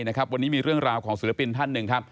วันนี้มีเรื่องราวของศิลปินท่านหนึ่งครับ